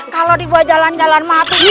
kalau dibawa jalan jalan mati nyai